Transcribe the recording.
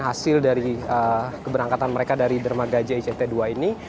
hasil dari keberangkatan mereka dari dermagajai jt dua ini